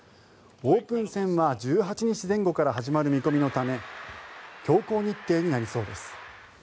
オープン戦は１８日前後から始まる見込みのため強行日程になりそうです。